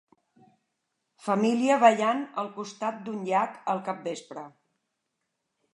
Família ballant al costat d'un llac al capvespre.